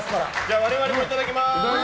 我々もいただきます！